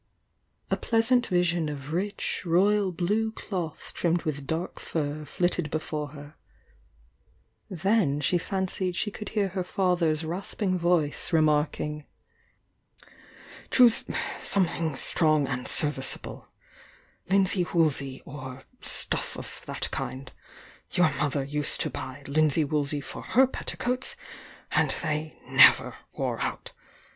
A pleasant vision of rich, royal blue cloth trimmed with dark fur flitted before her — then she fancied she could hear her father's rasping voice re marking: "Choose something strong and service able — linsey woolsey or stuff of that kind — your mother used to buy linsey woolsey for her petticoats, and they never wore out.